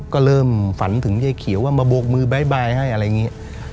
ก็เริ่มฝันถึงยายเขียวว่ามาโบกมือบ๊ายบายให้อะไรอย่างนี้